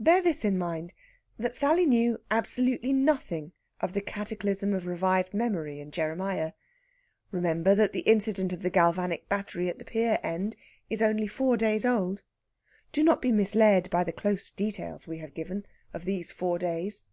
Bear this in mind, that Sally knew absolutely nothing of the cataclysm of revived memory in Jeremiah. Remember that the incident of the galvanic battery at the pier end is only four days old. Do not be misled by the close details we have given of these four days.